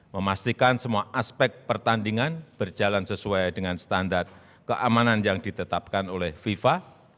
memastikan semua aspek pertandingan berjalan sesuai dengan standar keamanan yang ditetapkan oleh fifa